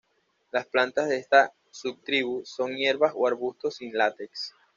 Las plantas de esta subtribu son hierbas o arbustos, sin látex.